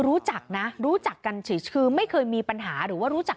รู้จักนะรู้จักกันเฉยคือไม่เคยมีปัญหาหรือว่ารู้จัก